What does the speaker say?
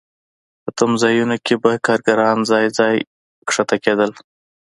په تمځایونو کې به کارګران ځای ځای ښکته کېدل